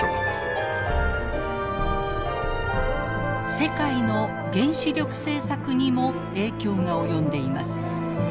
世界の原子力政策にも影響が及んでいます。